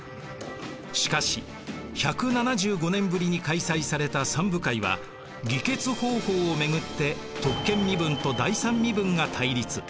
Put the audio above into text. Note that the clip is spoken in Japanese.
しかし１７５年ぶりに開催された三部会は議決方法を巡って特権身分と第三身分が対立。